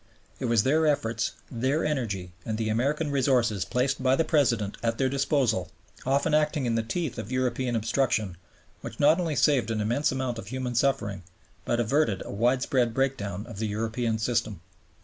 It was their efforts, their energy, and the American resources placed by the President at their disposal, often acting in the teeth of European obstruction, which not only saved an immense amount of human suffering, but averted a widespread breakdown of the European system.